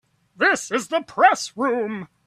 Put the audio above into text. This is the Press Room.